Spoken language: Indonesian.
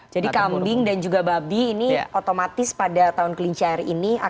jadi kambing dan juga babi ini otomatis pada tahun kelinci air ini akan